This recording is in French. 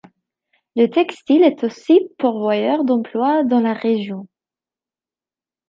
Le textile est aussi pourvoyeur d’emploi dans la région.